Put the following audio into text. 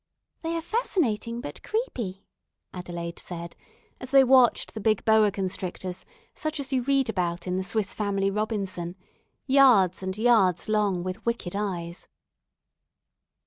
"They are fascinating, but creepy," Adelaide said, as they watched the big boa constrictors, such as you read about in "The Swiss Family Robinson" yards and yards long, with wicked eyes.